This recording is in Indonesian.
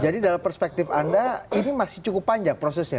jadi dalam perspektif anda ini masih cukup panjang prosesnya